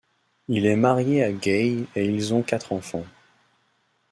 Il est marié à Gaye et ils ont quatre enfants.